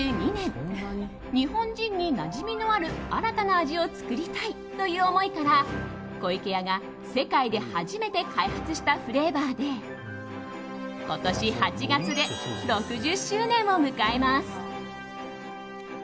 日本人になじみのある新たな味を作りたいという思いから湖池屋が世界で初めて開発したフレーバーで今年８月で６０周年を迎えます。